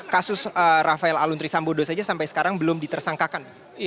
kasus rafael aluntri sambodo saja sampai sekarang belum ditersangkakan